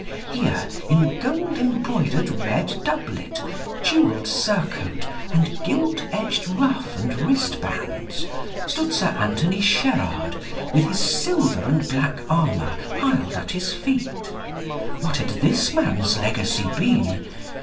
Here in gold embroidered red doublet, jewelled sur coat, and gilt edged ruff and wrist bands, stood Sir Anthony Sherard, with his silver and black armour piled at his feet. What had this man's legacy been?